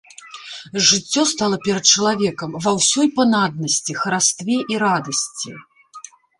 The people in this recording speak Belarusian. Жыццё стала перад чалавекам ва ўсёй панаднасці, харастве і радасці.